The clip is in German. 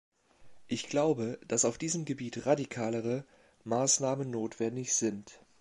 Ich glaube, dass auf diesem Gebiet radikalere Maßnahmen notwendig sind.